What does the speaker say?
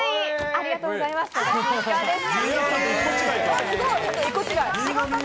ありがとうございます。